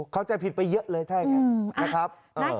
เข้าใจผิดไปเยอะเลยแท่ไง